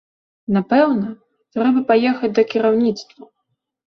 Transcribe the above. Напэўна, трэба паехаць да кіраўніцтва.